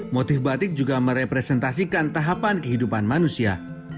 motif batik juga merepresentasikan tahapan kehidupan manusia